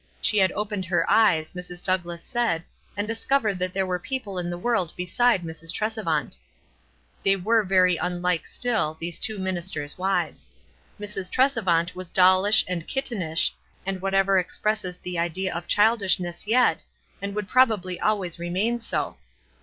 She had opened her eyes, Mrs. Douglass said, and discovered that there were people in the world beside Mrs. Trescvant. They were very unlike still, these two ministers' wives. Mrs. Trese vant was dollish and kittenish, and whatever ex presses the idea of childishness yet, and would probably always remain so.